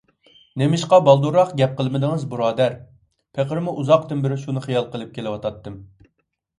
نېمىشقا بالدۇرراق گەپ قىلمىدىڭىز بۇرادەر؟ پېقىرمۇ ئۇزاقتىن بېرى شۇنى خىيال قىلىپ كېلىۋاتاتتىم.